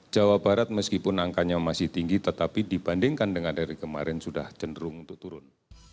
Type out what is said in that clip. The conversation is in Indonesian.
jawa barat meskipun angkanya masih tinggi tetapi dibandingkan dengan dari kemarin sudah cenderung untuk turun